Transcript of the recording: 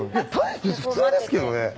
大して普通ですけどね